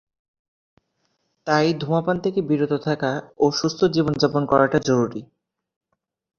তাই ধূমপান থেকে বিরত থাকা ও সুস্থ জীবনযাপন করাটা জরুরি।